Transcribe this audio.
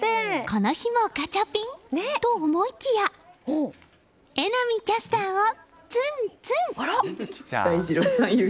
この日もガチャピンと思いきや榎並キャスターをツンツン。